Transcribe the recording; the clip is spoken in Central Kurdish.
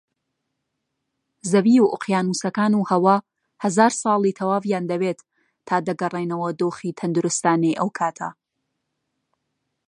زەوی و ئۆقیانووسەکان و هەوا هەزار ساڵی تەواویان دەوێت تا دەگەڕێنەوە دۆخی تەندروستانەی ئەوکاتە